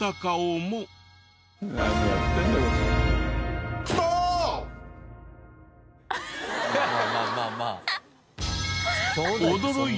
まあまあまあまあ。